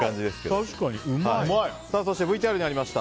そしてＶＴＲにありました